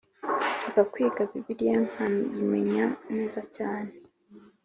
Nshaka kwiga bibiliya nkayimenya neza cyane